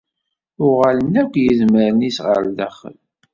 Uɣalen akk yedmaren-is ɣer daxel.